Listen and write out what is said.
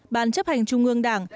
ban chấp hành trung ương đảng